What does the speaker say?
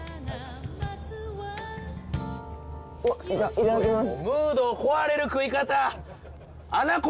いただきます。